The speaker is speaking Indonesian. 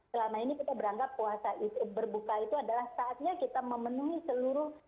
selama ini kita beranggap puasa berbuka itu adalah saatnya kita memenuhi seluruh